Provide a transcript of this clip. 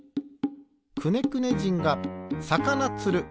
くねくね人がさかなつる。